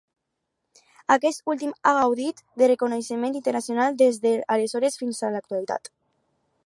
Aquest últim ha gaudit de reconeixement internacional des d'aleshores fins a l'actualitat.